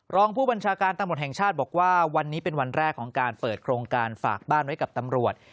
รองผู้บัญชาการตำรวจแห่งชาติบอกว่าวันนี้เป็นวันแรกของการเปิดโครงการฝากบ้านไว้กับตำรวจ